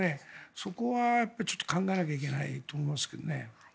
そこは考えないといけないと思いますけどね。